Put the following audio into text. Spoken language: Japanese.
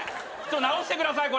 直してくださいこれ！